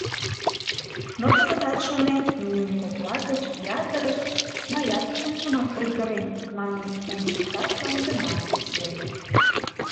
Но кызытат шонем: нунын кокла гыч ятырышт «мыят чынжымак ойгырем» манын ончыкташлан гына нюсленыт.